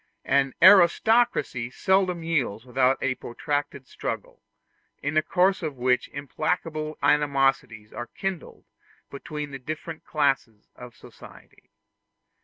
An aristocracy seldom yields without a protracted struggle, in the course of which implacable animosities are kindled between the different classes of society.